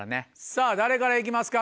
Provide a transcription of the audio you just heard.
さぁ誰から行きますか？